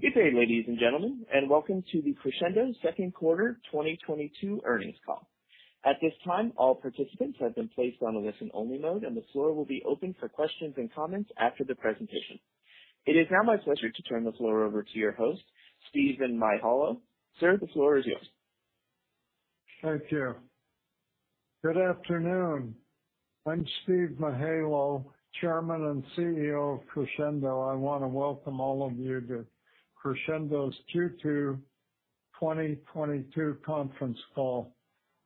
Good day, ladies and gentlemen, and welcome to the Crexendo Second Quarter 2022 Earnings Call. At this time, all participants have been placed on a listen-only mode, and the floor will be open for questions and comments after the presentation. It is now my pleasure to turn the floor over to your host, Steven Mihaylo. Sir, the floor is yours. Thank you. Good afternoon. I'm Steve Mihaylo, Chairman and CEO of Crexendo. I wanna welcome all of you to Crexendo's Q2 2022 conference call.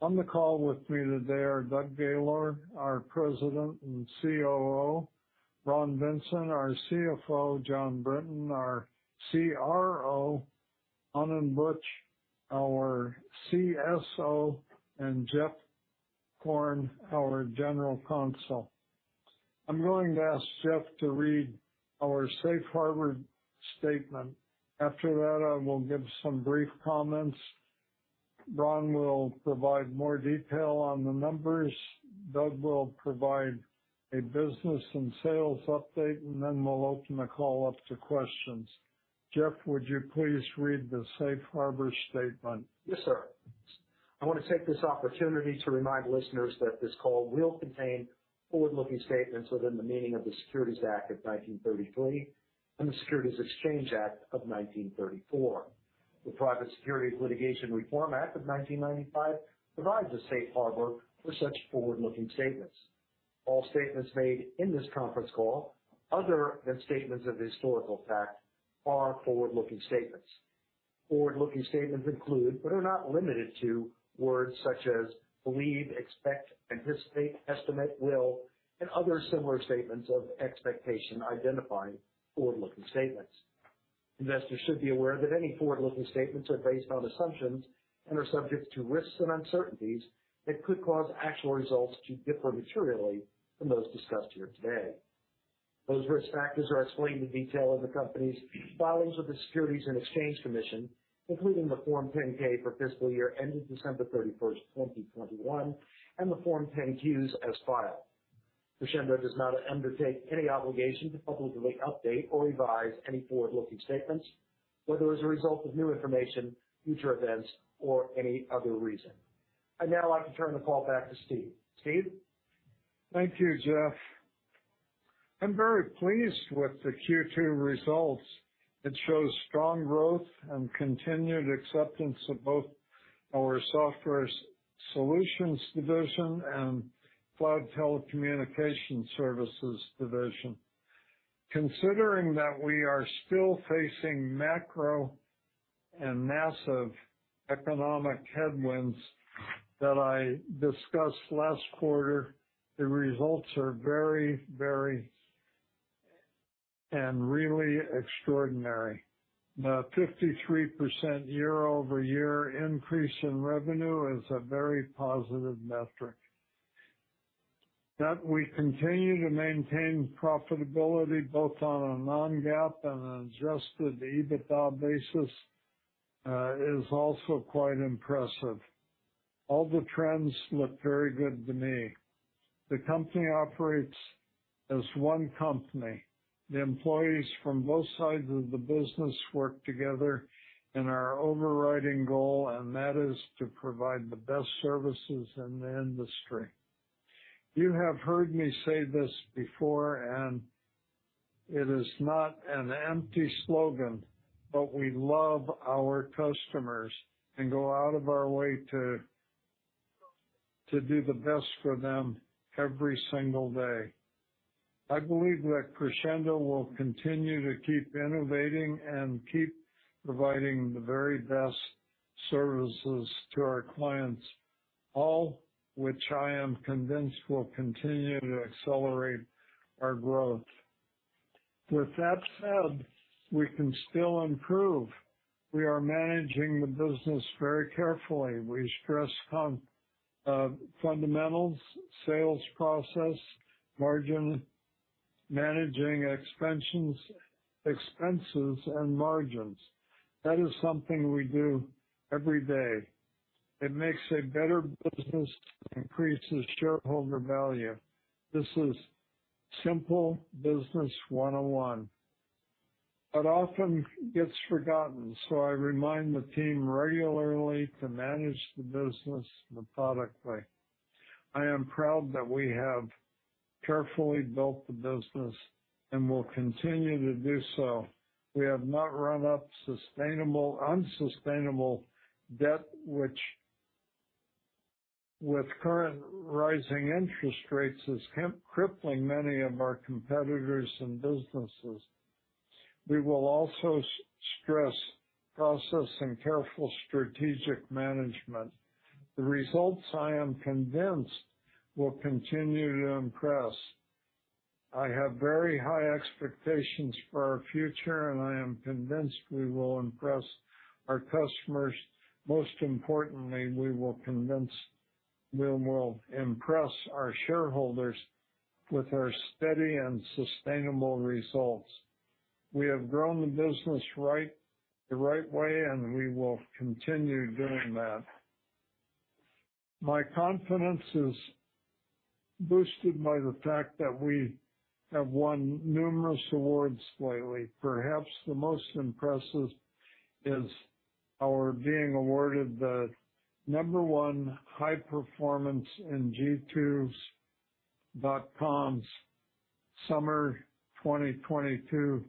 On the call with me today are Doug Gaylor, our President and COO, Ron Vincent, our CFO, Jon Brinton, our CRO, Anand Buch, our CSO, and Jeff Korn, our General Counsel. I'm going to ask Jeff to read our safe harbor statement. After that, I will give some brief comments. Ron will provide more detail on the numbers. Doug will provide a business and sales update, and then we'll open the call up to questions. Jeff, would you please read the safe harbor statement? Yes, sir. I wanna take this opportunity to remind listeners that this call will contain forward-looking statements within the meaning of the Securities Act of 1933 and the Securities Exchange Act of 1934. The Private Securities Litigation Reform Act of 1995 provides a safe harbor for such forward-looking statements. All statements made in this conference call, other than statements of historical fact, are forward-looking statements. Forward-looking statements include, but are not limited to, words such as believe, expect, anticipate, estimate, will, and other similar statements of expectation identifying forward-looking statements. Investors should be aware that any forward-looking statements are based on assumptions and are subject to risks and uncertainties that could cause actual results to differ materially from those discussed here today. Those risk factors are explained in detail in the company's filings with the Securities and Exchange Commission, including the Form 10-K for fiscal year ending December 31st, 2021, and the Form 10-Qs as filed. Crexendo does not undertake any obligation to publicly update or revise any forward-looking statements, whether as a result of new information, future events, or any other reason. I'd now like to turn the call back to Steve. Steve. Thank you, Jeff. I'm very pleased with the Q2 results. It shows strong growth and continued acceptance of both our software solutions division and cloud telecommunication services division. Considering that we are still facing macro and massive economic headwinds that I discussed last quarter, the results are very and really extraordinary. The 53% year-over-year increase in revenue is a very positive metric. That we continue to maintain profitability both on a non-GAAP and an adjusted EBITDA basis is also quite impressive. All the trends look very good to me. The company operates as one company. The employees from both sides of the business work together in our overriding goal, and that is to provide the best services in the industry. You have heard me say this before, and it is not an empty slogan, but we love our customers and go out of our way to do the best for them every single day. I believe that Crexendo will continue to keep innovating and keep providing the very best services to our clients, all which I am convinced will continue to accelerate our growth. With that said, we can still improve. We are managing the business very carefully. We stress fundamentals, sales process, margin, managing expenses and margins. That is something we do every day. It makes a better business, increases shareholder value. This is simple business 101. It often gets forgotten, so I remind the team regularly to manage the business methodically. I am proud that we have carefully built the business and will continue to do so. We have not run up unsustainable debt, which, with current rising interest rates, is crippling many of our competitors and businesses. We will also stress process and careful strategic management. The results, I am convinced, will continue to impress. I have very high expectations for our future, and I am convinced we will impress our customers. Most importantly, we will impress our shareholders with our steady and sustainable results. We have grown the business right, the right way, and we will continue doing that. My confidence is boosted by the fact that we have won numerous awards lately. Perhaps the most impressive is our being awarded the number one high performance in G2.com's Summer 2022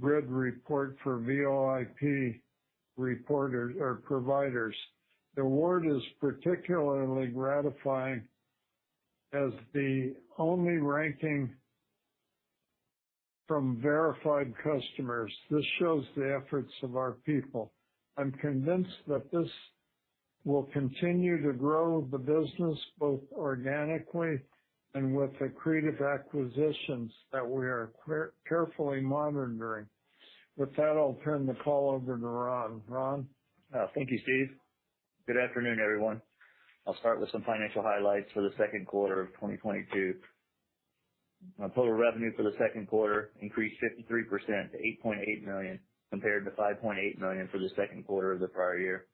grid report for VoIP providers. The award is particularly gratifying as the only ranking from verified customers. This shows the efforts of our people. I'm convinced that this will continue to grow the business, both organically and with accretive acquisitions that we are carefully monitoring. With that, I'll turn the call over to Ron. Ron? Thank you, Steve. Good afternoon, everyone. I'll start with some financial highlights for the second quarter of 2022. Our total revenue for the second quarter increased 53% to $8.8 million, compared to $5.8 million for the second quarter of the prior year.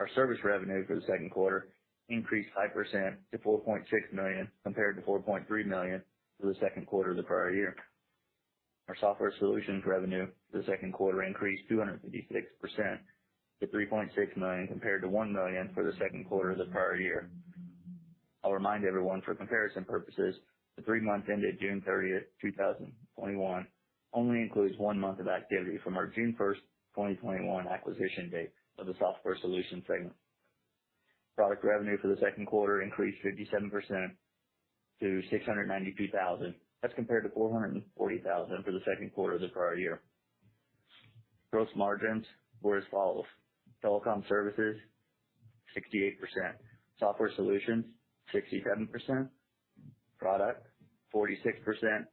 Our service revenue for the second quarter increased 5% to $4.6 million, compared to $4.3 million for the second quarter of the prior year. Our software solutions revenue for the second quarter increased 256% to $3.6 million, compared to $1 million for the second quarter of the prior year. I'll remind everyone, for comparison purposes, the three months ended June 30th, 2021 only includes one month of activity from our June 1st, 2021 acquisition date of the software solution segment. Product revenue for the second quarter increased 57% to $692,000. That's compared to $440,000 for the second quarter of the prior year. Gross margins were as follows. Telecom services 68%, software solutions 67%, product 46%, and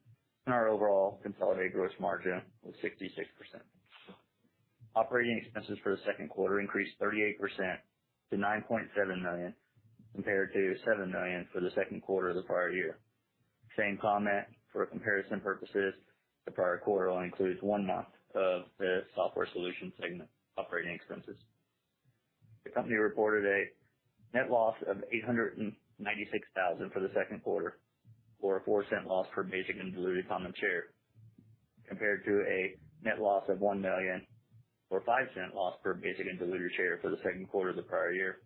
our overall consolidated gross margin was 66%. Operating expenses for the second quarter increased 38% to $9.7 million, compared to $7 million for the second quarter of the prior year. Same comment, for comparison purposes, the prior quarter only includes one month of the software solution segment operating expenses. The company reported a net loss of $896,000 for the second quarter, or a $0.04 loss per basic and diluted common share, compared to a net loss of $1 million or $0.05 loss per basic and diluted share for the second quarter of the prior year.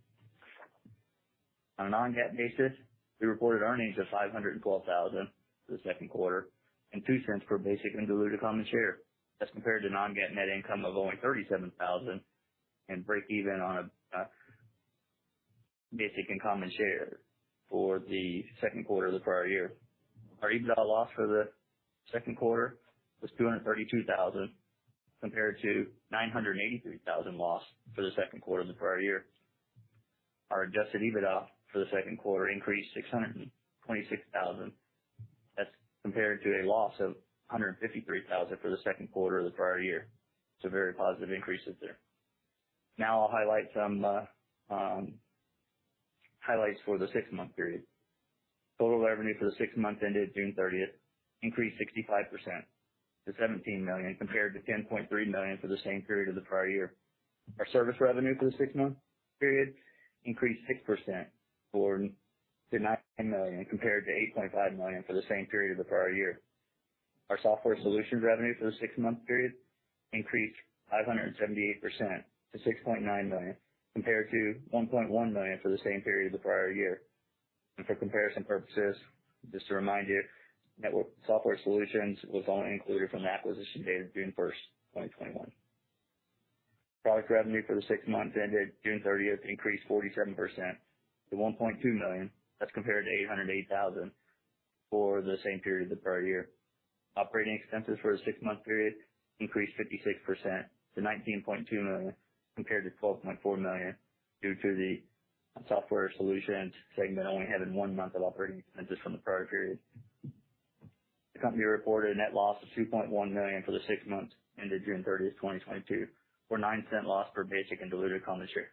On a non-GAAP basis, we reported earnings of $512,000 for the second quarter and $0.02 per basic and diluted common share. That's compared to non-GAAP net income of only $37 thousand and breakeven on a basic and common share for the second quarter of the prior year. Our EBITDA loss for the second quarter was $232,000, compared to $983,000 loss for the second quarter of the prior year. Our adjusted EBITDA for the second quarter increased $626,000. That's compared to a loss of $153,000 for the second quarter of the prior year. Very positive increases there. Now I'll highlight some highlights for the six-month period. Total revenue for the six months ended June 30th increased 65% to $17 million compared to $10.3 million for the same period of the prior year. Our service revenue for the six-month period increased 6% to $9 million compared to $8.5 million for the same period of the prior year. Our software solutions revenue for the six-month period increased 578% to $6.9 million, compared to $1.1 million for the same period of the prior year. For comparison purposes, just to remind you, network software solutions was only included from the acquisition date of June 1st, 2021. Product revenue for the six months ended June 30th increased 47% to $1.2 million. That's compared to $808,000 for the same period of the prior year. Operating expenses for the six-month period increased 56% to $19.2 million, compared to $12.4 million, due to the software solution segment only having one month of operating expenses from the prior period. The company reported a net loss of $2.1 million for the six months ended June 30, 2022, or $0.09 loss per basic and diluted common share.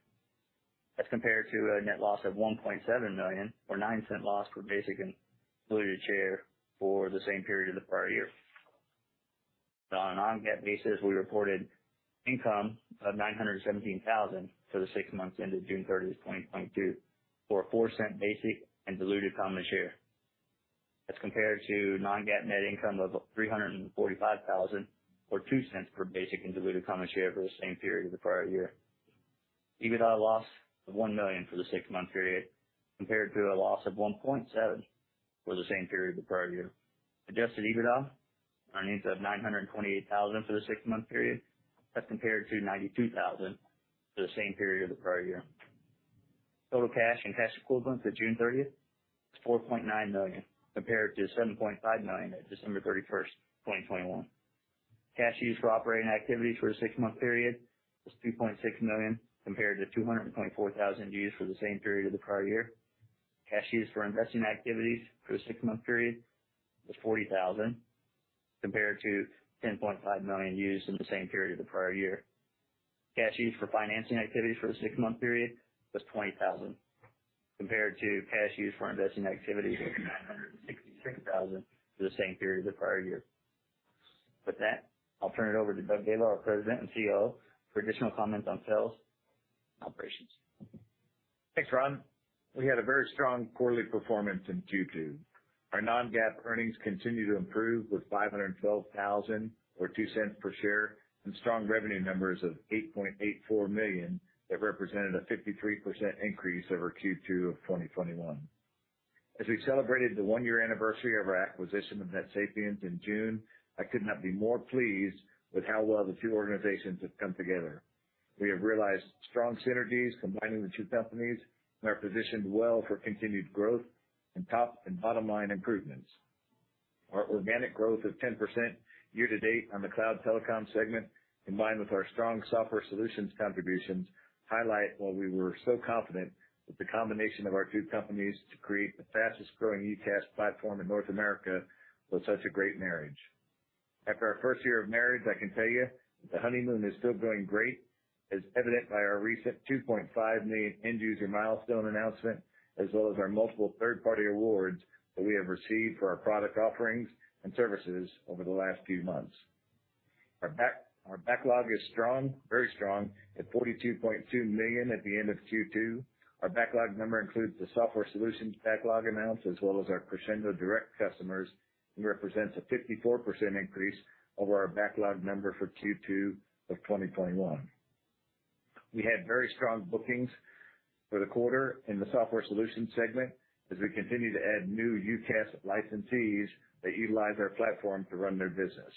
That's compared to a net loss of $1.7 million or $0.09 loss per basic and diluted share for the same period of the prior year. On a non-GAAP basis, we reported income of $917,000 for the six months ended June 30, 2022, or $0.04 per basic and diluted common share. That's compared to non-GAAP net income of $345,000 or 2 cents per basic and diluted common share for the same period of the prior year. EBITDA loss of $1 million for the six-month period, compared to a loss of $1.7 million for the same period of the prior year. Adjusted EBITDA earnings of $928,000 for the six-month period. That's compared to $92,000 for the same period of the prior year. Total cash and cash equivalents as of June 30th is $4.9 million, compared to $7.5 million at December 31st, 2021. Cash used for operating activities for the six-month period was $2.6 million, compared to $224,000 used for the same period of the prior year. Cash used for investing activities for the six-month period was $40,000, compared to $10.5 million used in the same period of the prior year. Cash used for financing activities for the six-month period was $20,000, compared to cash used for financing activities of $966,000 for the same period of the prior year. With that, I'll turn it over to Doug Gaylor, our President and COO, for additional comments on sales and operations. Thanks, Ron. We had a very strong quarterly performance in Q2. Our non-GAAP earnings continue to improve with $512,000, or $0.02 per share, and strong revenue numbers of $8.84 million that represented a 53% increase over Q2 of 2021. As we celebrated the one-year anniversary of our acquisition of NetSapiens in June, I could not be more pleased with how well the two organizations have come together. We have realized strong synergies combining the two companies and are positioned well for continued growth and top and bottom-line improvements. Our organic growth of 10% year-to-date on the cloud telecom segment, combined with our strong software solutions contributions, highlight why we were so confident that the combination of our two companies to create the fastest-growing UCaaS platform in North America was such a great marriage. After our first year of marriage, I can tell you that the honeymoon is still going great, as evident by our recent 2.5 million end user milestone announcement, as well as our multiple third-party awards that we have received for our product offerings and services over the last few months. Our backlog is strong, very strong at $42.2 million at the end of Q2. Our backlog number includes the software solutions backlog amounts, as well as our Crexendo direct customers, and represents a 54% increase over our backlog number for Q2 of 2021. We had very strong bookings for the quarter in the software solutions segment as we continue to add new UCaaS licensees that utilize our platform to run their business.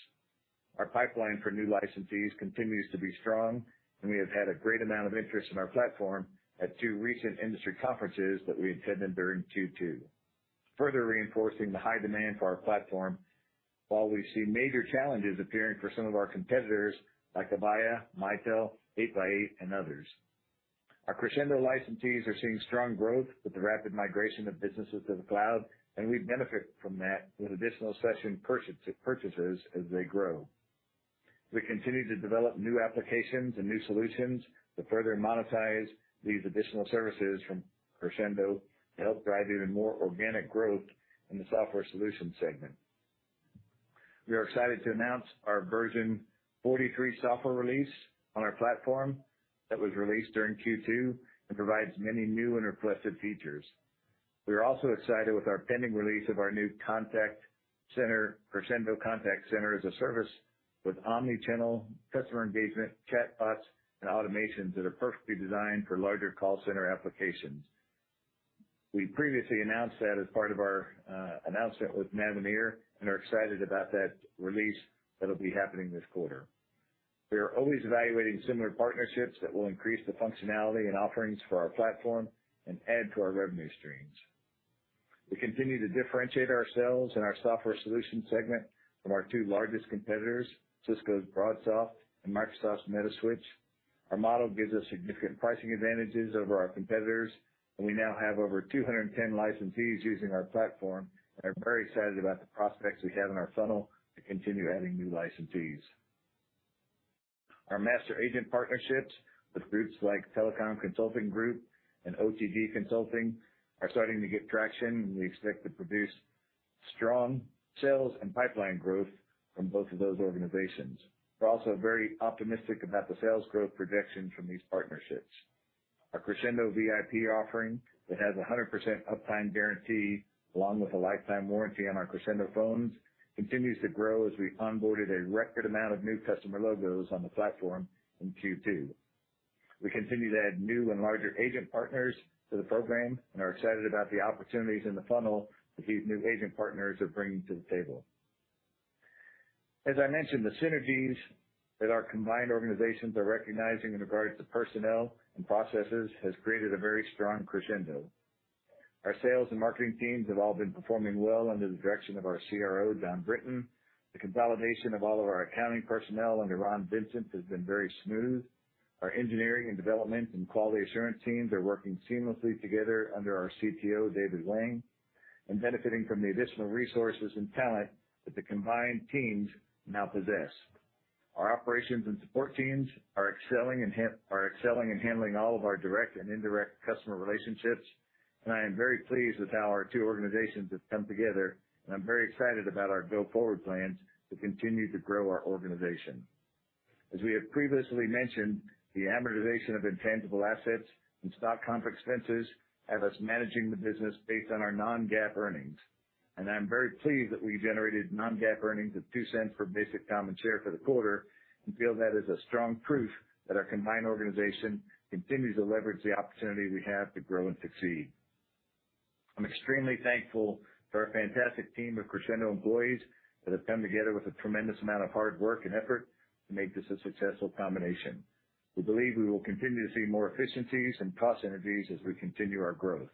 Our pipeline for new licensees continues to be strong, and we have had a great amount of interest in our platform at two recent industry conferences that we attended during Q2, further reinforcing the high demand for our platform while we see major challenges appearing for some of our competitors, like Avaya, Mitel, 8x8, and others. Our Crexendo licensees are seeing strong growth with the rapid migration of businesses to the cloud, and we benefit from that with additional session purchases as they grow. We continue to develop new applications and new solutions to further monetize these additional services from Crexendo to help drive even more organic growth in the software solutions segment. We are excited to announce our version 43 software release on our platform that was released during Q2 and provides many new and requested features. We are also excited with our pending release of our new contact center, Crexendo Contact Center as a Service, with omni-channel customer engagement, chatbots, and automations that are perfectly designed for larger call center applications. We previously announced that as part of our announcement with Mavenir and are excited about that release that'll be happening this quarter. We are always evaluating similar partnerships that will increase the functionality and offerings for our platform and add to our revenue streams. We continue to differentiate ourselves in our software solutions segment from our two largest competitors, Cisco's BroadSoft and Microsoft's Metaswitch. Our model gives us significant pricing advantages over our competitors, and we now have over 210 licensees using our platform and are very excited about the prospects we have in our funnel to continue adding new licensees. Our master agent partnerships with groups like Telecom Consulting Group and OTG Consulting are starting to get traction, and we expect to produce strong sales and pipeline growth from both of those organizations. We're also very optimistic about the sales growth projection from these partnerships. Our Crexendo VIP offering that has 100% uptime guarantee, along with a lifetime warranty on our Crexendo phones, continues to grow as we onboarded a record amount of new customer logos on the platform in Q2. We continue to add new and larger agent partners to the program and are excited about the opportunities in the funnel that these new agent partners are bringing to the table. As I mentioned, the synergies that our combined organizations are recognizing in regards to personnel and processes has created a very strong Crexendo. Our sales and marketing teams have all been performing well under the direction of our CRO, Jon Brinton. The consolidation of all of our accounting personnel under Ron Vincent has been very smooth. Our engineering and development and quality assurance teams are working seamlessly together under our CTO, David Wang, and benefiting from the additional resources and talent that the combined teams now possess. Our operations and support teams are excelling in handling all of our direct and indirect customer relationships, and I am very pleased with how our two organizations have come together, and I'm very excited about our go-forward plans to continue to grow our organization. As we have previously mentioned, the amortization of intangible assets and stock comp expenses have us managing the business based on our non-GAAP earnings. I am very pleased that we generated non-GAAP earnings of $0.02 per basic common share for the quarter and feel that is a strong proof that our combined organization continues to leverage the opportunity we have to grow and succeed. I'm extremely thankful for our fantastic team of Crexendo employees that have come together with a tremendous amount of hard work and effort to make this a successful combination. We believe we will continue to see more efficiencies and cost synergies as we continue our growth.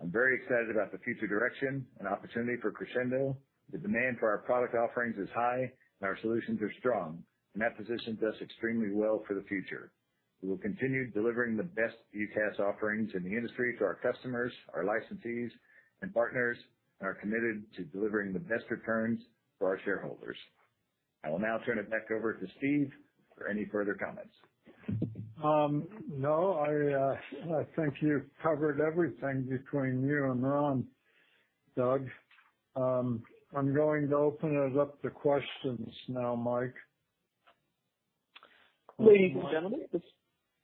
I'm very excited about the future direction and opportunity for Crexendo. The demand for our product offerings is high, and our solutions are strong, and that positions us extremely well for the future. We will continue delivering the best UCaaS offerings in the industry to our customers, our licensees, and partners, and are committed to delivering the best returns for our shareholders. I will now turn it back over to Steven Mihaylo for any further comments. No, I think you've covered everything between you and Ron, Doug. I'm going to open it up to questions now, Mike. Ladies and gentlemen,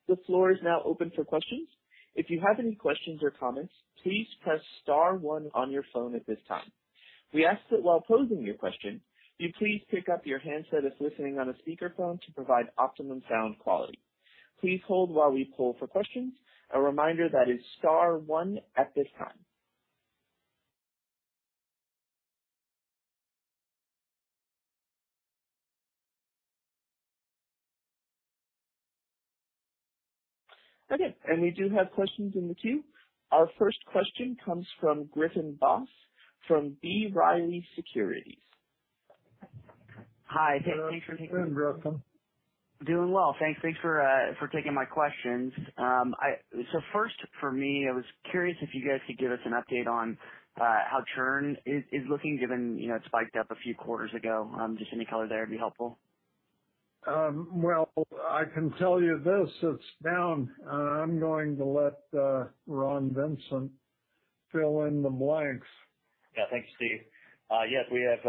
the floor is now open for questions. If you have any questions or comments, please press star one on your phone at this time. We ask that while posing your question, you please pick up your handset if listening on a speakerphone to provide optimum sound quality. Please hold while we poll for questions. A reminder that is star one at this time. Okay, we do have questions in the queue. Our first question comes from Griffin Boss from B. Riley Securities. Hi. Thanks for taking Griffin, welcome. Doing well. Thanks. Thanks for taking my questions. First for me, I was curious if you guys could give us an update on how churn is looking given, you know, it spiked up a few quarters ago. Just any color there would be helpful. Well, I can tell you this, it's down, and I'm going to let Ron Vincent fill in the blanks. Yeah. Thanks, Steve. Yes, we have,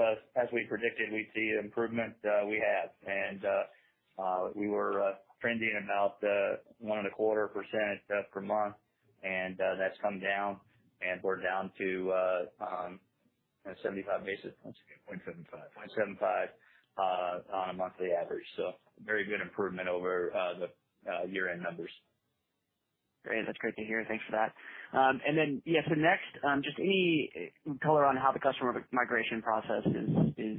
as we predicted, we'd see improvement, we have. We were trending about 1.25% per month, and that's come down, and we're down to 75 basis points. 0.75%. 0.75% on a monthly average. Very good improvement over the year-end numbers. Great. That's great to hear. Thanks for that. Yeah, next, just any color on how the customer migration process is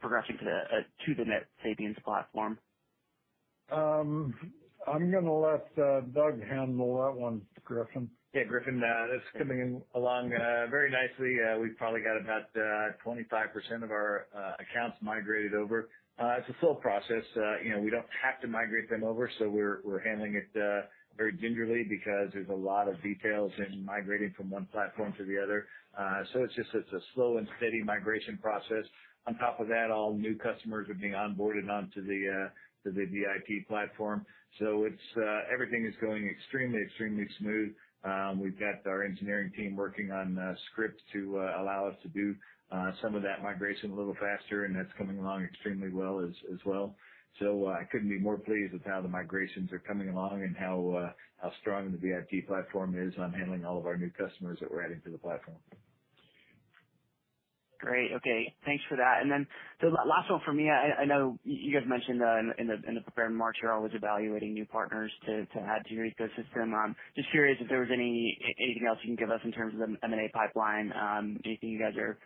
progressing to the NetSapiens platform? I'm gonna let Doug handle that one, Griffin. Yeah, Griffin, it's coming along very nicely. We've probably got about 25% of our accounts migrated over. It's a slow process. You know, we don't have to migrate them over, so we're handling it very gingerly because there's a lot of details in migrating from one platform to the other. So it's just a slow and steady migration process. On top of that, all new customers are being onboarded onto the VIP platform. So everything is going extremely smooth. We've got our engineering team working on scripts to allow us to do some of that migration a little faster, and that's coming along extremely well as well. So I couldn't be more pleased with how the migrations are coming along and how strong the VIP platform is on handling all of our new customers that we're adding to the platform. Great. Okay. Thanks for that. Then the last one for me, I know you guys mentioned in the prepared remarks you're always evaluating new partners to add to your ecosystem. Just curious if there was anything else you can give us in terms of M&A pipeline. Anything you guys are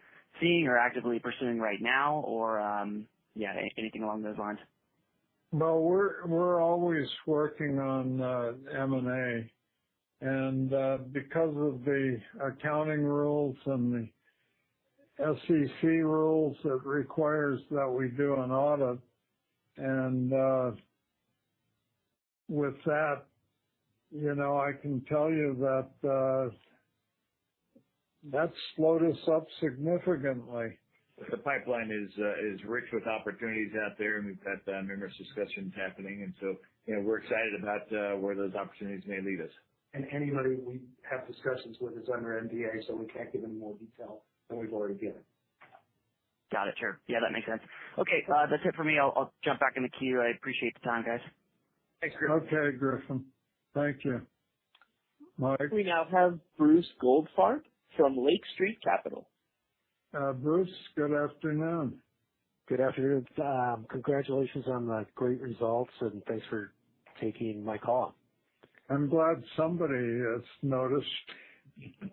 seeing or actively pursuing right now or, yeah, anything along those lines? No, we're always working on M&A, and because of this accounting rule from the SEC rules that requires, and with that, you know, I can tell you that that's slowed us up significantly. The pipeline is rich with opportunities out there, and we've had numerous discussions happening. You know, we're excited about where those opportunities may lead us. Anybody we have discussions with is under NDA, so we can't give any more detail than we've already given. Got it. Sure. Yeah, that makes sense. Okay. That's it for me. I'll jump back in the queue. I appreciate the time, guys. Thanks, Griffin. Okay, Griffin. Thank you. Mike? We now have Bruce Goldfarb from Lake Street Capital Markets. Bruce, good afternoon. Good afternoon. Congratulations on the great results, and thanks for taking my call. I'm glad somebody has noticed. Um,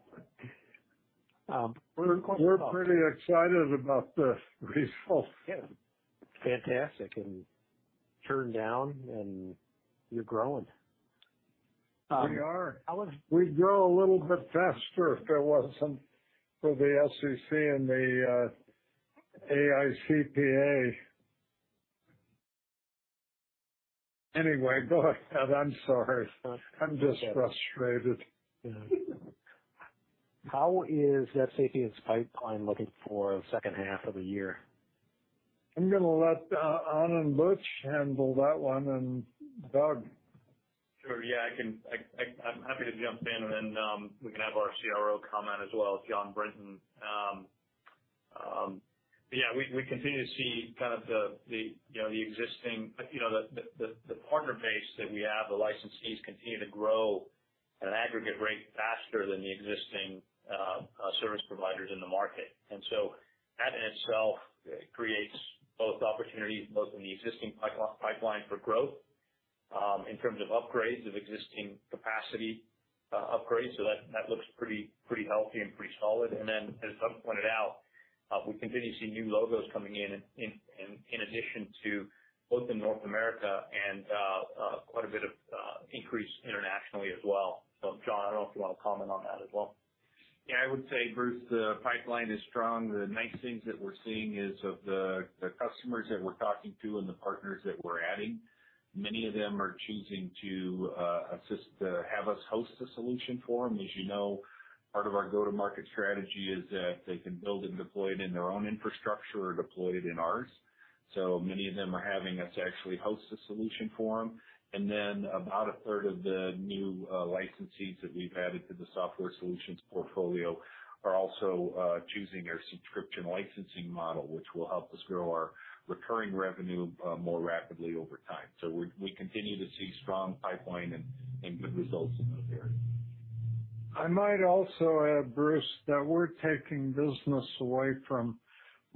we're- We're pretty excited about the results. Yeah. Fantastic. Churn down, and you're growing. We are. I was- We'd grow a little bit faster if it wasn't for the SEC and the AICPA. Anyway, go ahead. I'm sorry. It's okay. I'm just frustrated. Yeah. How is NetSapiens pipeline looking for the second half of the year? I'm gonna let Ron and Buch handle that one, and Doug. Sure. Yeah. I'm happy to jump in, and then we can have our CRO comment as well, Jon Brinton. Yeah, we continue to see kind of the existing partner base that we have. The licensees continue to grow at an aggregate rate faster than the existing service providers in the market. That in itself creates both opportunities both in the existing pipeline for growth in terms of upgrades of existing capacity, upgrades. So that looks pretty healthy and pretty solid. And then as Doug pointed out, we continue to see new logos coming in addition both in North America and quite a bit of increase internationally as well. Jon, I don't know if you want to comment on that as well. Yeah, I would say, Bruce, the pipeline is strong. The nice things that we're seeing are the customers that we're talking to and the partners that we're adding, many of them are choosing to have us host a solution for them. As you know. Part of our go-to-market strategy is that they can build and deploy it in their own infrastructure or deploy it in ours. So many of them are having us actually host the solution for them. About a third of the new licensees that we've added to the software solutions portfolio are also choosing our subscription licensing model, which will help us grow our recurring revenue more rapidly over time. So we continue to see strong pipeline and good results in those areas. I might also add, Bruce, that we're taking business away from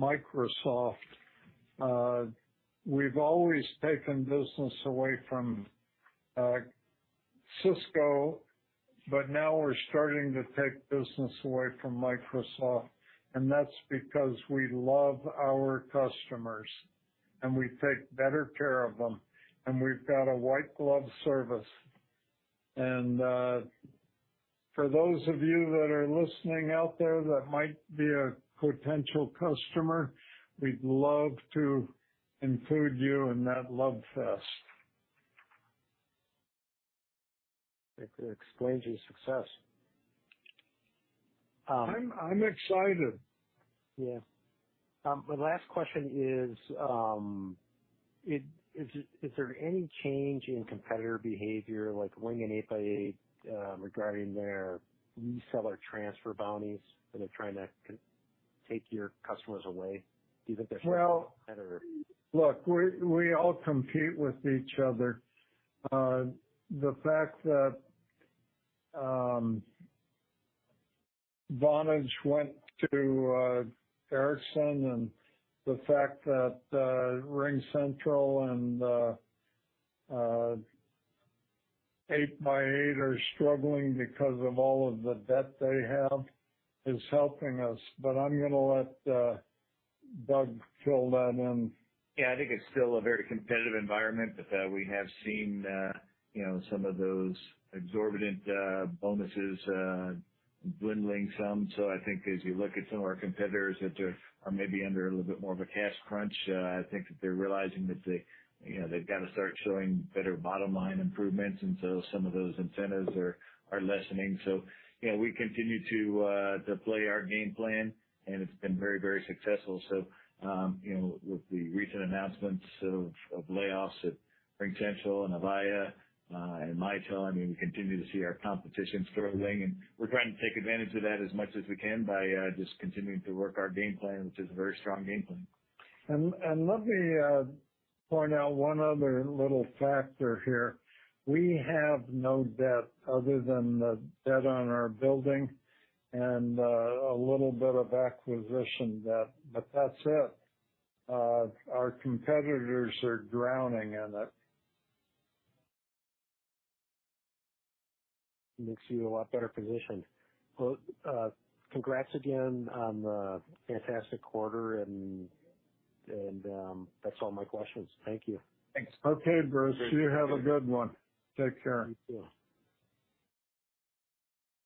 Microsoft. We've always taken business away from Cisco, but now we're starting to take business away from Microsoft, and that's because we love our customers, and we take better care of them, and we've got a white glove service. And for those of you that are listening out there that might be a potential customer, we'd love to include you in that love fest. It explains your success. I'm excited. Yeah. My last question is there any change in competitor behavior like RingCentral and 8x8 regarding their reseller transfer bounties that are trying to contact your customers away even if they're? Well- A competitor? Look, we all compete with each other. The fact that Vonage went to Ericsson and the fact that RingCentral and 8x8 are struggling because of all of the debt they have is helping us. I'm gonna let Doug fill that in. Yeah. I think it's still a very competitive environment, but we have seen, you know, some of those exorbitant bonuses dwindling some. I think as you look at some of our competitors, if they are maybe under a little bit more of a cash crunch, I think that they're realizing that they, you know, they've got to start showing better bottom-line improvements, and so some of those incentives are lessening. You know, we continue to play our game plan, and it's been very, very successful. You know, with the recent announcements of layoffs at RingCentral and Avaya, and Mitel, I mean, we continue to see our competition struggling, and we're trying to take advantage of that as much as we can by just continuing to work our game plan, which is a very strong game plan. And let me point out one other little factor here. We have no debt other than the debt on our building and a little bit of acquisition debt, but that's it. Our competitors are drowning in it. Makes you a lot better positioned. Well, congrats again on a fantastic quarter, and that's all my questions. Thank you. Thanks. Okay, Bruce. You have a good one. Take care. You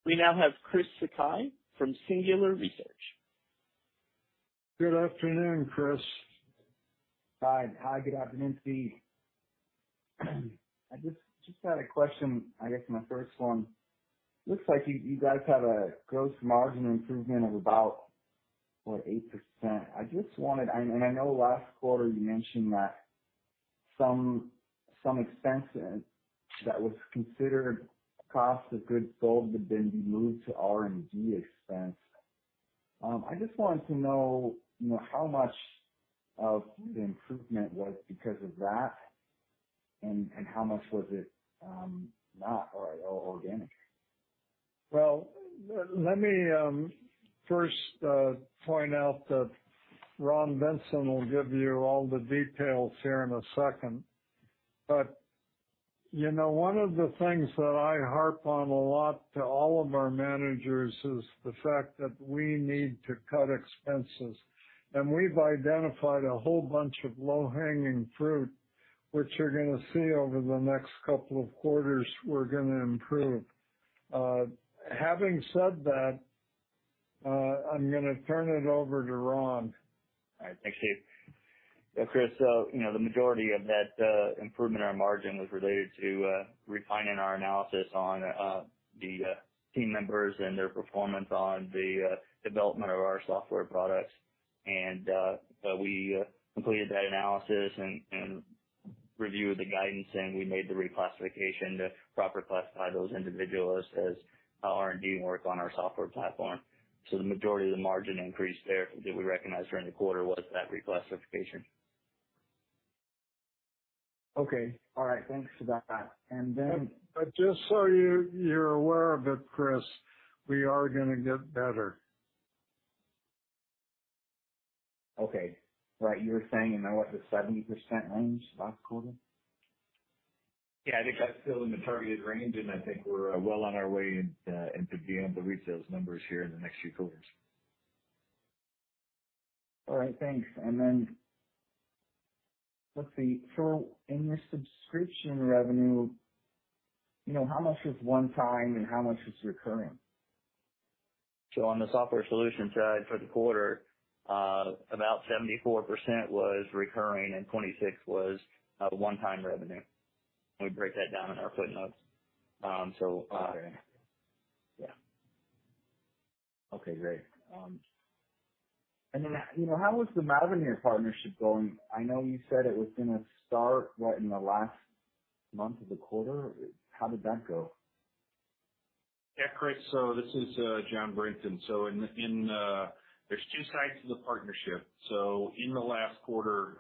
too. We now have Chris Sakai from Singular Research. Good afternoon, Chris. Hi. Hi, good afternoon, Steve. I just had a question, I guess my first one. Looks like you guys had a gross margin improvement of about, what, 8%. I know last quarter you mentioned that some expense that was considered cost of goods sold had been moved to R&D expense. I just wanted to know, you know, how much of the improvement was because of that, and how much was it, not or organic? Well, let me first point out that Ron Vincent will give you all the details here in a second. You know, one of the things that I harp on a lot to all of our managers is the fact that we need to cut expenses. We've identified a whole bunch of low-hanging fruit, which you're gonna see over the next couple of quarters we're gonna improve. Having said that, I'm gonna turn it over to Ron. All right. Thanks, Steve. Yeah, Chris, you know, the majority of that improvement in our margin was related to refining our analysis on the team members and their performance on the development of our software products. And we completed that analysis and reviewed the guidance, and we made the reclassification to proper classify those individuals as R&D work on our software platform. So the majority of the margin increase there that we recognized during the quarter was that reclassification. Okay. All right. Thanks for that. Just so you're aware of it, Chris, we are gonna get better. Okay. Right. You were saying in, what, the 70% range last quarter? Yeah. I think that's still in the targeted range, and I think we're well on our way into being able to reach those numbers here in the next few quarters. All right, thanks. Let's see. In your subscription revenue, you know, how much is one-time, and how much is recurring? On the software solution side for the quarter, about 74% was recurring, and 26% was one-time revenue. We break that down in our footnotes. Yeah. Okay, great. You know, how is the Mavenir partnership going? I know you said it was gonna start, what, in the last month of the quarter. How did that go? Yeah, Chris. This is Jon Brinton. There's two sides to the partnership. In the last quarter,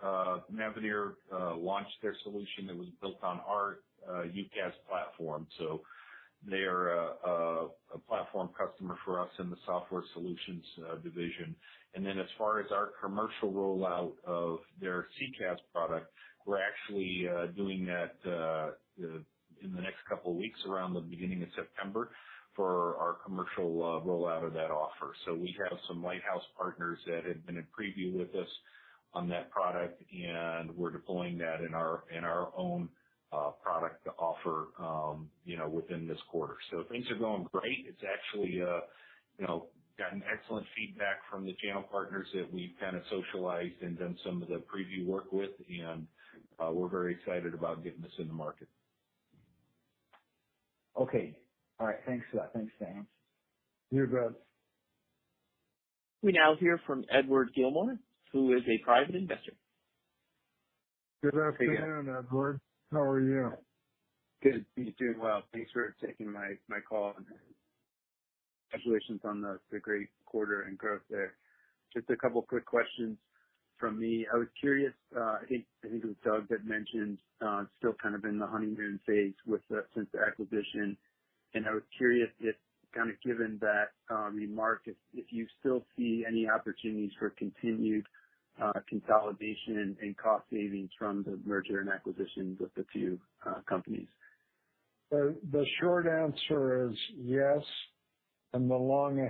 Mavenir launched their solution that was built on our UCaaS platform. So they're a platform customer for us in the software solutions division. And then as far as our commercial rollout of their CCaaS product, we're actually doing that in the next couple of weeks, around the beginning of September for our commercial rollout of that offer. We have some lighthouse partners that have been in preview with us on that product, and we're deploying that in our own product offer, you know, within this quarter. Things are going great. It's actually, you know, gotten excellent feedback from the channel partners that we've kind of socialized and done some of the preview work with. We're very excited about getting this in the market. Okay. All right. Thanks for that. Thanks, Jon. You bet. We now hear from Edward Gilmore, who is a Private Investor. Good afternoon, Edward. How are you? Good. You two. Well, thanks for taking my call. Congratulations on the great quarter and growth there. Just a couple quick questions from me. I was curious. I think it was Doug that mentioned still kind of in the honeymoon phase since the acquisition. I was curious if, kind of given that remark, if you still see any opportunities for continued consolidation and cost savings from the merger and acquisitions of the two companies. The short answer is yes. I'm gonna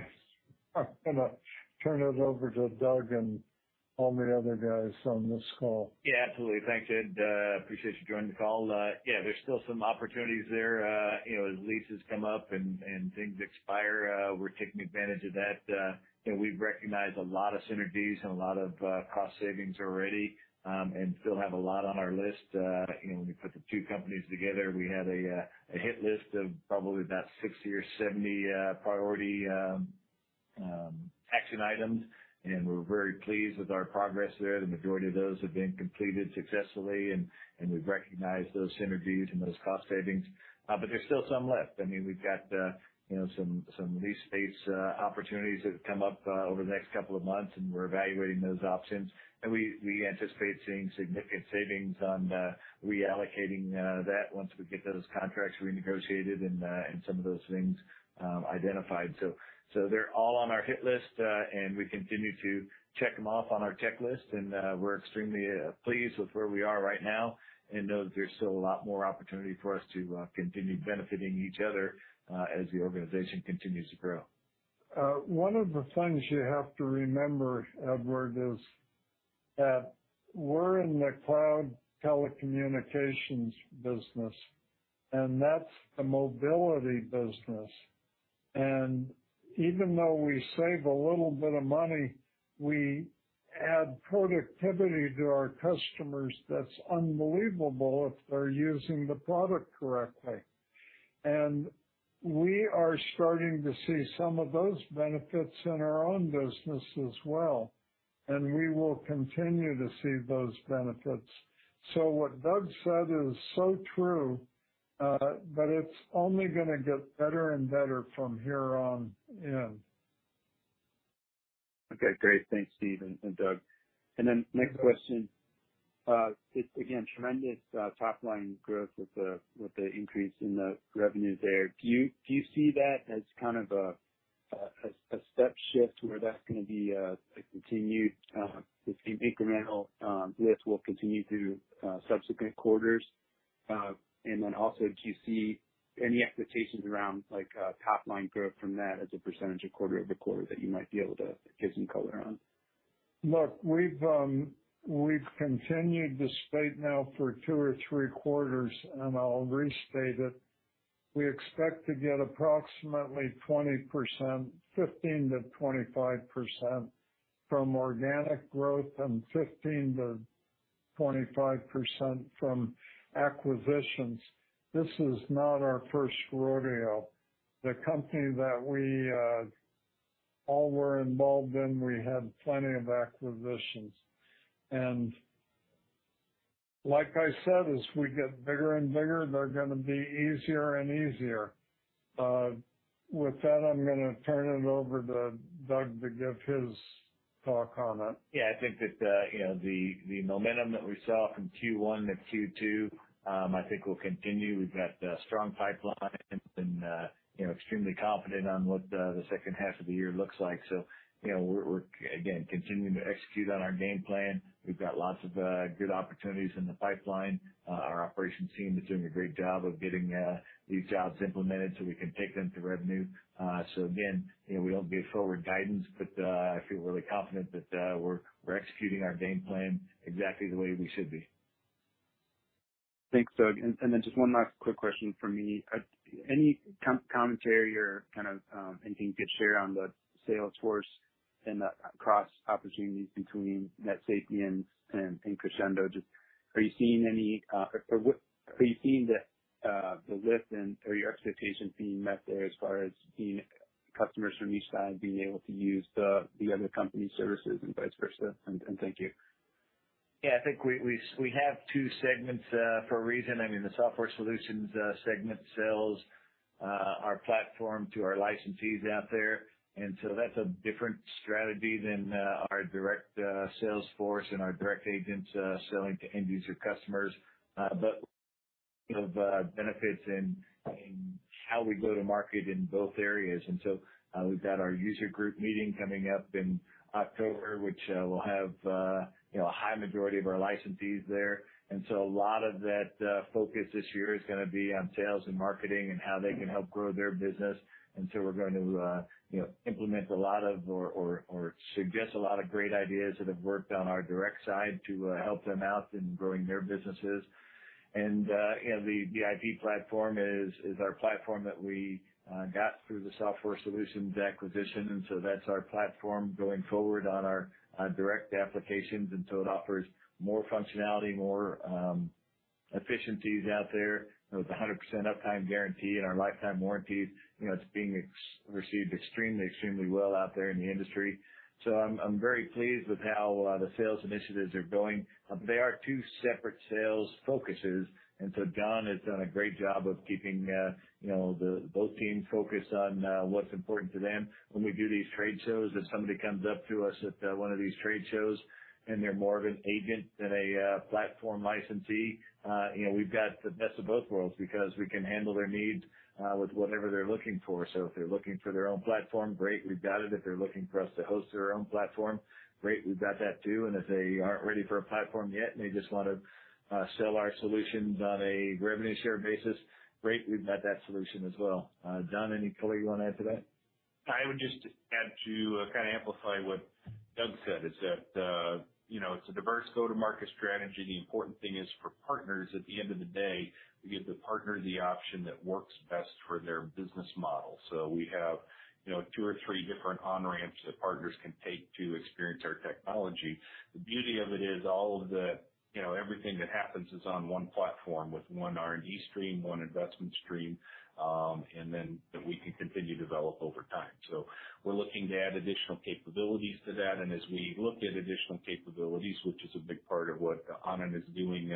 turn it over to Doug and all the other guys on this call. Yeah, absolutely. Thanks, Ed. Appreciate you joining the call. Yeah, there's still some opportunities there. You know, as leases come up and things expire, we're taking advantage of that. You know, we've recognized a lot of synergies and a lot of cost savings already, and still have a lot on our list. You know, when we put the two companies together, we had a hit list of probably about 60 or 70 priority action items, and we're very pleased with our progress there. The majority of those have been completed successfully and we've recognized those synergies and those cost savings. There's still some left. I mean, we've got you know, some lease space opportunities that have come up over the next couple of months, and we're evaluating those options. We anticipate seeing significant savings on reallocating that once we get those contracts renegotiated and some of those things identified. They're all on our hit list and we continue to check them off on our checklist. And we're extremely pleased with where we are right now and know that there's still a lot more opportunity for us to continue benefiting each other as the organization continues to grow. One of the things you have to remember, Edward, is that we're in the cloud telecommunications business, and that's a mobility business. Even though we save a little bit of money, we add productivity to our customers that's unbelievable if they're using the product correctly. And we are starting to see some of those benefits in our own business as well. And we will continue to see those benefits. So what Doug said is so true, but it's only gonna get better and better from here on in. Okay, great. Thanks, Steve and Doug. And next question. Just again, tremendous top line growth with the increase in the revenue there. Do you see that as kind of a step shift where that's gonna be a continued incremental lift will continue through subsequent quarters? And then also, do you see any expectations around like top line growth from that as a percentage of quarter over quarter that you might be able to give some color on? Look, we've continued to state now for two or three quarters, and I'll restate it. We expect to get approximately 20%, 15%-25% from organic growth and 15%-25% from acquisitions. This is not our first rodeo. The company that we all were involved in, we had plenty of acquisitions. Like I said, as we get bigger and bigger, they're gonna be easier and easier. With that, I'm gonna turn it over to Doug to give his thought on it. Yeah, I think that, you know, the momentum that we saw from Q1 to Q2, I think will continue. We've got a strong pipeline and, you know, extremely confident on what the second half of the year looks like. You know, we're again continuing to execute on our game plan. We've got lots of good opportunities in the pipeline. Our operations team is doing a great job of getting these jobs implemented, so we can take them to revenue. Again, you know, we don't give forward guidance, but I feel really confident that we're executing our game plan exactly the way we should be. Thanks, Doug. Just one last quick question from me. Any commentary or kind of anything you could share on the Salesforce cross opportunities between NetSapiens and Crexendo? Just, are you seeing any or are you seeing the lift or your expectations being met there as far as seeing customers from each side being able to use the other company's services and vice versa? Thank you. Yeah. I think we have two segments for a reason. I mean, the software solutions segment sells our platform to our licensees out there. And so that's a different strategy than our direct sales force and our direct agents selling to end user customers. You know, the benefits in how we go to market in both areas. We've got our user group meeting coming up in October, which will have you know, a high majority of our licensees there. And so a lot of that focus this year is gonna be on sales and marketing and how they can help grow their business. And so we're going to, you know, suggest a lot of great ideas that have worked on our direct side to help them out in growing their businesses. And you know, the VIP platform is our platform that we got through the Software Solutions acquisition. So that's our platform going forward on our direct applications. It offers more functionality, more efficiencies out there. With a 100% uptime guarantee and our lifetime warranty, you know, it's being received extremely well out there in the industry. So I'm very pleased with how the sales initiatives are going. They are two separate sales focuses, and Jon has done a great job of keeping, you know, the both teams focused on what's important to them. When we do these trade shows, if somebody comes up to us at one of these trade shows, and they're more of an agent than a platform licensee, you know, we've got the best of both worlds because we can handle their needs with whatever they're looking for. If they're looking for their own platform, great, we've got it. If they're looking for us to host their own platform, great, we've got that too. If they aren't ready for a platform yet, and they just wanna sell our solutions on a revenue share basis, great, we've got that solution as well. Jon, anything you wanna add to that? I would just add to kind of amplify what Doug said is that, you know, it's a diverse go-to-market strategy. The important thing is for partners, at the end of the day, we give the partner the option that works best for their business model. So we have, you know, two or three different on-ramps that partners can take to experience our technology. The beauty of it is all of the, you know, everything that happens is on one platform with one R&D stream, one investment stream, and then that we can continue to develop over time. So we're looking to add additional capabilities to that. As we look at additional capabilities, which is a big part of what Anand is doing,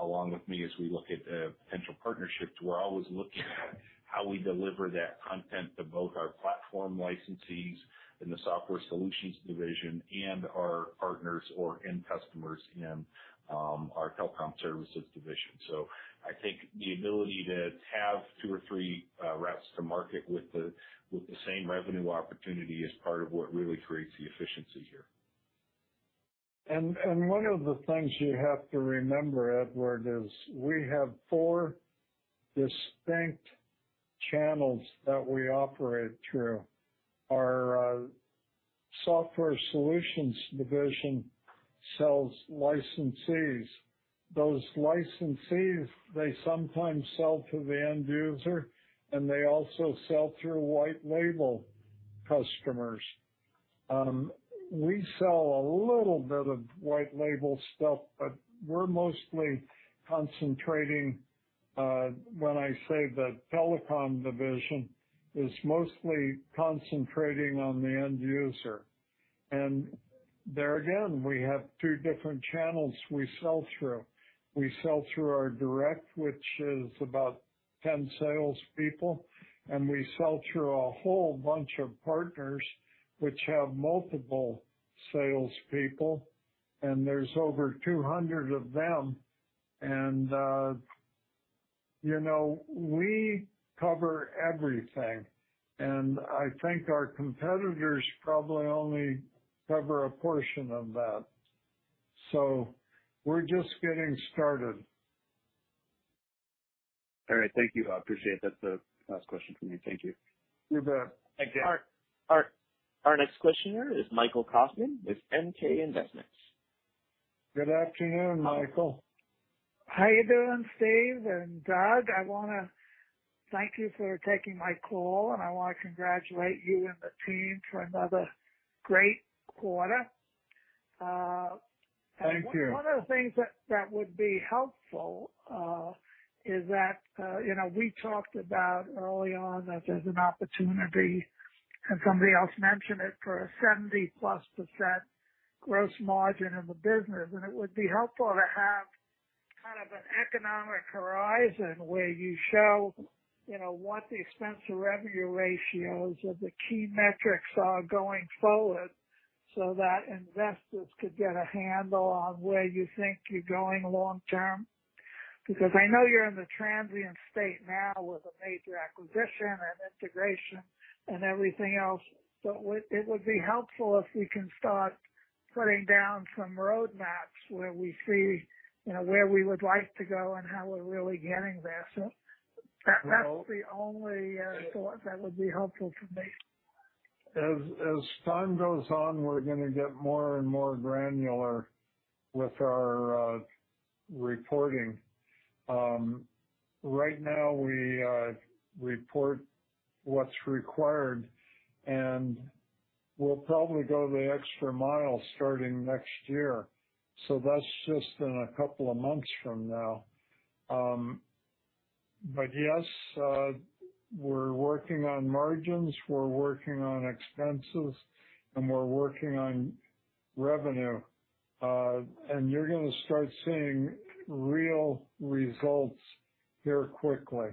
along with me as we look at potential partnerships. We're always looking at how we deliver that content to both our platform licensees in the Software Solutions division and our partners or end customers in our Telecom Services division. So I think the ability to have two or three routes to market with the same revenue opportunity is part of what really creates the efficiency here. And one of the things you have to remember, Edward, is we have four distinct channels that we operate through. Our Software Solutions division sells licensees. Those licensees, they sometimes sell to the end user, and they also sell through white label customers. We sell a little bit of white label stuff, but we're mostly concentrating, when I say the Telecom division is mostly concentrating on the end user. And there again, we have two different channels we sell through. We sell through our direct, which is about 10 salespeople, and we sell through a whole bunch of partners which have multiple salespeople, and there's over 200 of them. You know, we cover everything, and I think our competitors probably only cover a portion of that. So we're just getting started. All right. Thank you. I appreciate that. That's the last question from me. Thank you. You bet. Thank you. Our next questioner is Michael Kaufman with MK Investments. Good afternoon, Michael. How are you doing, Steve and Doug? I wanna thank you for taking my call, and I wanna congratulate you and the team for another great quarter. Thank you. One of the things that would be helpful is that you know, we talked about early on that there's an opportunity, and somebody else mentioned it for a 70%+ gross margin in the business. It would be helpful to have kind of an economic horizon where you show you know, what the expense to revenue ratios of the key metrics are going forward so that investors could get a handle on where you think you're going long term. Because I know you're in a transient state now with a major acquisition and integration and everything else, but it would be helpful if we can start putting down some roadmaps where we see you know, where we would like to go and how we're really getting there. Well-... that's the only thought that would be helpful to me. As time goes on, we're gonna get more and more granular with our reporting. Right now we report what's required, and we'll probably go the extra mile starting next year. That's just in a couple of months from now. But yes, we're working on margins, we're working on expenses, and we're working on revenue. You're gonna start seeing real results here quickly.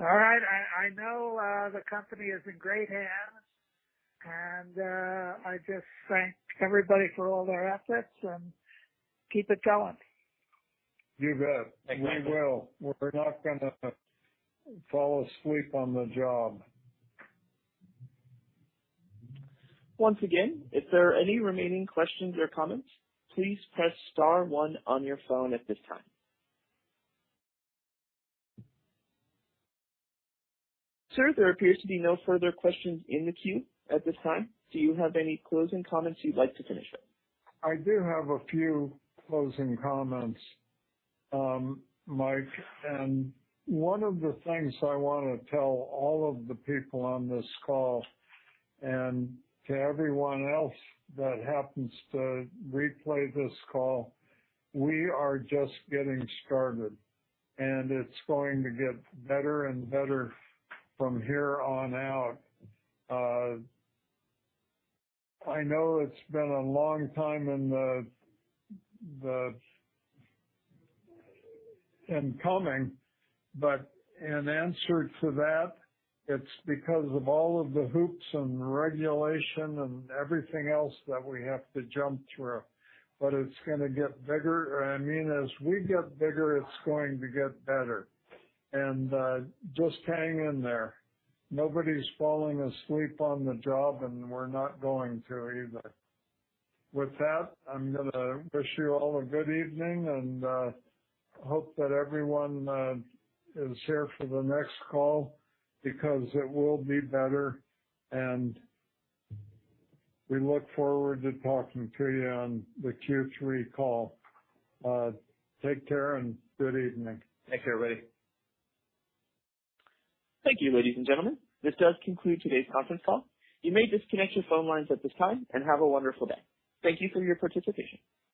All right. I know the company is in great hands, and I just thank everybody for all their efforts and keep it going. You bet. We will. We're not gonna fall asleep on the job. Once again, if there are any remaining questions or comments, please press star one on your phone at this time. Sir, there appears to be no further questions in the queue at this time. Do you have any closing comments you'd like to finish with? I do have a few closing comments, Mike, and one of the things I wanna tell all of the people on this call and to everyone else that happens to replay this call, we are just getting started, and it's going to get better and better from here on out. I know it's been a long time in the coming, but in answer to that, it's because of all of the hoops and regulation and everything else that we have to jump through. But it's gonna get bigger. I mean, as we get bigger, it's going to get better. Just hang in there. Nobody's falling asleep on the job, and we're not going to either. With that, I'm gonna wish you all a good evening and hope that everyone is here for the next call because it will be better, and we look forward to talking to you on the Q3 call. Take care and good evening. Take care, everybody. Thank you, ladies and gentlemen. This does conclude today's conference call. You may disconnect your phone lines at this time and have a wonderful day. Thank you for your participation.